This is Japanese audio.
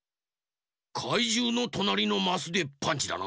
かいじゅうのとなりのマスでパンチだな。